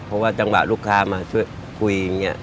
เพราะว่าจังหวะลูกค้ามาช่วยคุยอย่างนี้